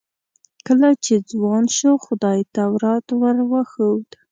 کله چې ځوان شو خدای تورات ور وښود.